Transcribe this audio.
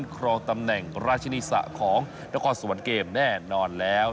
ครองตำแหน่งราชนิสะของนครสวรรค์เกมแน่นอนแล้ว